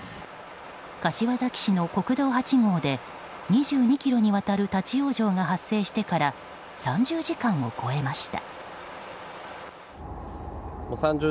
柏崎市の国道８号で２２ｋｍにわたる立ち往生が発生してから３０時間を超えました。